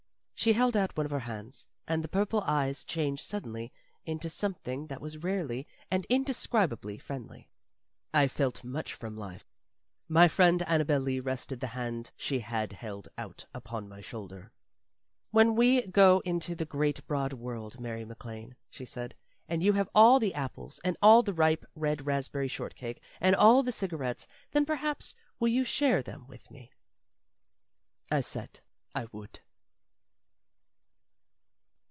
She held out one of her hands and the purple eyes changed suddenly into something that was rarely and indescribably friendly. I felt much from life. My friend Annabel Lee rested the hand she had held out upon my shoulder. "When we go into the great, broad world, Mary MacLane," she said, "and you have all the apples, and all the ripe red raspberry shortcake, and all the cigarettes, then perhaps will you share them with me?" I said I would.